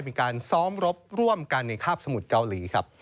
มีการซ้อมรบร่วมกันในคาบสมุทรเกาหลีครับ